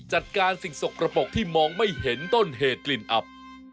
จัดการสิ่งสกระปกที่มองไม่เห็นต้นเหตุกลิ่นอับ